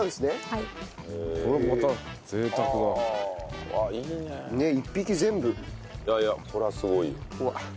いやいやこれはすごいよ。